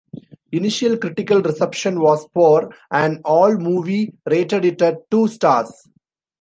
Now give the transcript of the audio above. Initial critical reception was poor and "Allmovie" rated it at two stars.